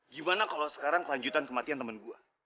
gimana kalau sekarang kelanjutan kematian temen gue